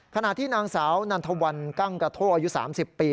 ขณะที่นางสาวนันทวันกั้งกระโทอายุ๓๐ปี